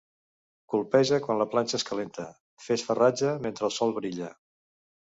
Colpeja quan la planxa és calenta, fes farratge mentre el sol brilla.